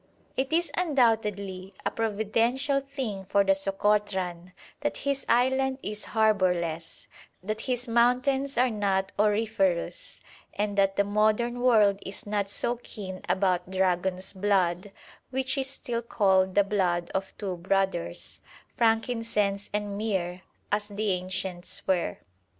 It is undoubtedly a providential thing for the Sokotran that his island is harbourless, that his mountains are not auriferous, and that the modern world is not so keen about dragon's blood, which is still called 'the blood of two brothers,' frankincense and myrrh, as the ancients were.